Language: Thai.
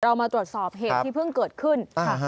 เรามาตรวจสอบเหตุที่เพิ่งเกิดขึ้น